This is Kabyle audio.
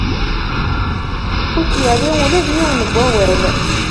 Ur s-yerri ula d yiwen n wawal.